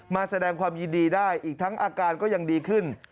มาแสดงความยินดีได้อีกทั้งอาการก็ยังดีขึ้น